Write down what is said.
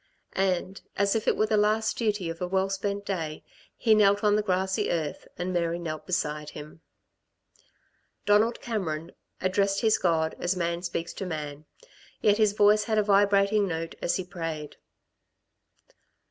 And, as if it were the last duty of a well spent day, he knelt on the grassy earth, and Mary knelt beside him. Donald Cameron addressed his God as man speaks to man; yet his voice had a vibrating note as he prayed.